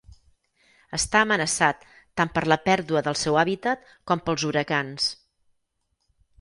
Està amenaçat tant per la pèrdua del seu hàbitat com pels huracans.